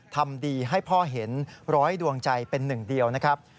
ทำดีให้พ่อเห็นร้อยดวงใจเป็นหนึ่งเดียวนะครับ